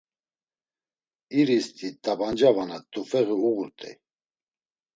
İristi t̆abanca vana t̆ufeği uğurt̆ey.